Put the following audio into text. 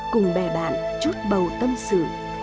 cùng bè bạn chút bầu tâm sự